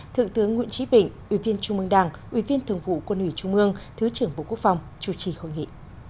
thượng tướng nguyễn trí bình ủy viên trung mương đảng ủy viên thường vụ quân ủy trung mương thứ trưởng bộ quốc phòng chủ trì hội nghị